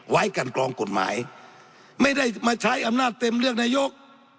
ไว้กันกรองกฎหมายไม่ได้มาใช้อำนาจเต็มเลือกนายก